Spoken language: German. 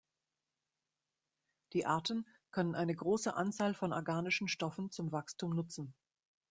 Die Arten können eine große Anzahl von organischen Stoffen zum Wachstum nutzen.